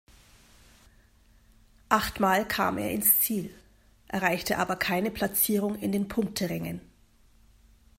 Achtmal kam er ins Ziel, erreichte aber keine Platzierung in den Punkterängen.